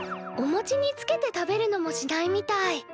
おもちにつけて食べるのもしないみたい。